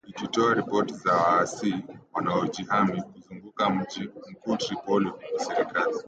ikitoa ripoti za waasi wanaojihami kuzunguka mji mkuu Tripoli huku serikali